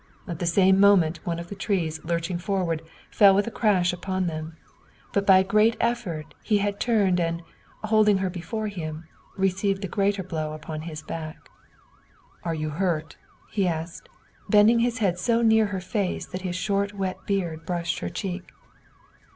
At the same moment, one of the trees lurched forward and fell with a crash upon them. By a great effort he had turned and, holding her before him, received the greater blow upon his back. "Are you hurt?" he asked, bending his head so near her face that his short wet beard brushed her cheek.